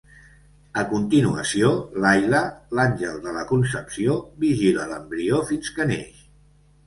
A continuació, Lailah, l'Àngel de la Concepció, vigila l'embrió fins que neix.